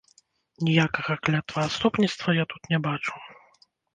Ніякага клятваадступніцтва я тут не бачу.